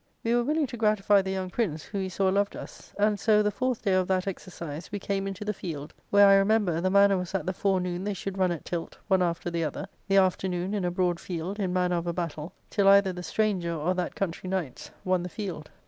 We were willing to gratify the young prince, who we saw loved us. And so, the fourth day of that exercise, we came into the field, where, I remember, the manner was that the forenoon they should run at tilt, one after the other, the afternoon in a broad field, in manner of a battle, till either the stranger or that country knights won the field.